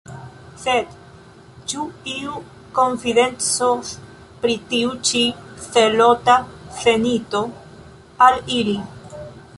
Sed ĉu iu konfidencos pri tiu ĉi zelota zenito al ili?